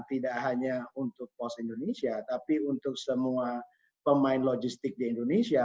tidak hanya untuk pos indonesia tapi untuk semua pemain logistik di indonesia